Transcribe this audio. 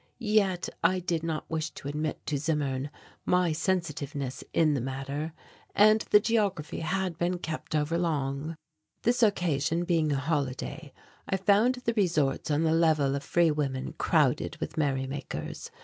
Yet I did not wish to admit to Zimmern my sensitiveness in the matter and the geography had been kept overlong. This occasion being a holiday, I found the resorts on the Level of Free Women crowded with merrymakers.